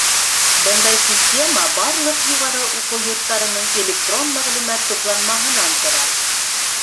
Бындай система барлыҡ юғары уҡыу йорттарының электрон мәғлүмәт тупланмаһынан тора.